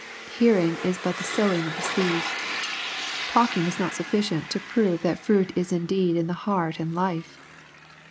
Hearing is but the sowing of the seed. Talking is not sufficient to prove that fruit is indeed in the heart and life.